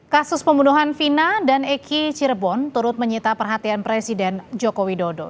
kasus pembunuhan vina dan eki cirebon turut menyita perhatian presiden joko widodo